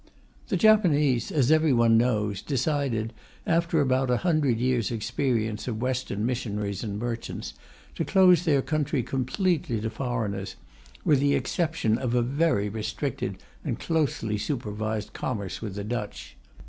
The Japanese, as every one knows, decided, after about 100 years' experience of Western missionaries and merchants, to close their country completely to foreigners, with the exception of a very restricted and closely supervised commerce with the Dutch.